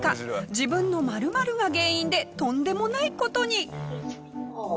自分の○○が原因でとんでもない事に。